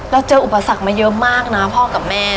เจออุปสรรคมาเยอะมากนะพ่อกับแม่